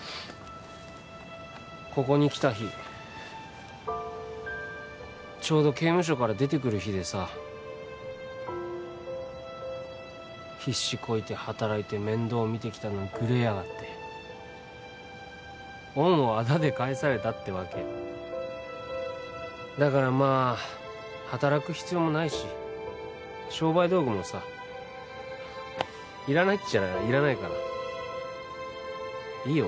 ここに来た日ちょうど刑務所から出てくる日でさ必死こいて働いて面倒見てきたのにグレやがって恩をあだで返されたってわけだからまあ働く必要もないし商売道具もさいらないっちゃいらないからいいよ